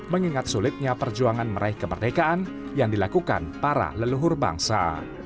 mengingat sulitnya perjuangan meraih kemerdekaan yang dilakukan para leluhur bangsa